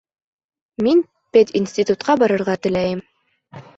Мин пединститутҡа барырға теләйем